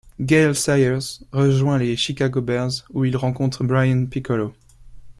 Gale Sayers rejoint les Chicago Bears, où il rencontre Brian Piccolo.